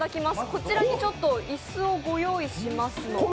こちらに椅子をご用意しますので。